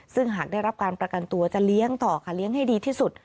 ซึ่งหากได้รับการประกันตัวจะเลี้ยงต่อค่ะเลี้ยงให้ดีที่สุด